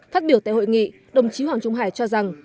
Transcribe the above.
phát biểu tại hội nghị đồng chí hoàng trung hải cho rằng